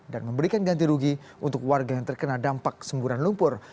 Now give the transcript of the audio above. dan memberikan ganti rugi untuk warga yang terkena dampak semburan lumpur